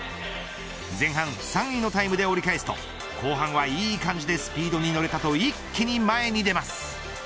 前半、３位のタイムで折り返すと後半はいい感じでスピードに乗れたと一気に前に出ます。